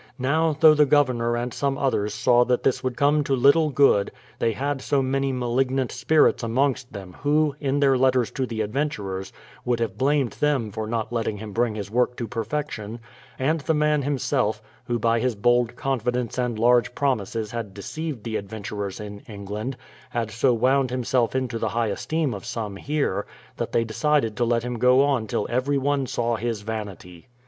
Now, though the Governor and some others saw that this would come to little good, they had so many malignant spirits amongst them who, in their letters to the adventurers, would have blamed them for not letting him bring his work to per fection; and the man himself, who by his bold confidence and large promises had deceived the adventurers in Eng land, had so wound himself into the high esteem of some here, that they decided to let him go on till everyone saw his vanity.